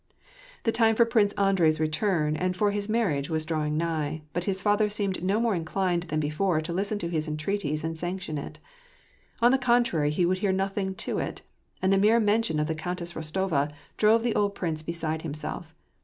The time for Prince Andrei's return, and for his marriage, was drawing nigh, but his father seemed no more inclined than before to listen to his entreaties and sanction it ; on the con trary, he would hear nothing to it ; and the mere mention of the Countess Rostova drove the old prince beside himself.